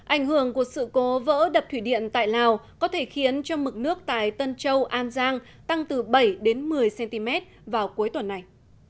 ảnh hưởng của sự cố vỡ đập thủy điện tại lào có thể khiến cho mực nước tại tân châu an giang tăng từ bảy một mươi cm vào cuối tuần này